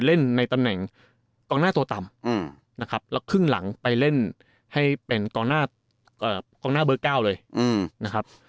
เล่นในตำแหน่งกองหน้าตัวต่ำนะครับแล้วครึ่งหลังไปเล่นให้เป็นกองหน้ากองหน้าเบอร์๙เลยนะครับ